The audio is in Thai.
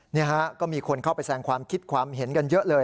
นี่ฮะก็มีคนเข้าไปแสงความคิดความเห็นกันเยอะเลย